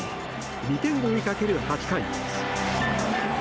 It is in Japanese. ２点を追いかける８回。